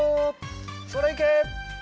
それいけ！